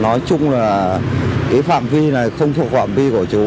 nói chung là cái phạm vi này không thuộc phạm vi của chú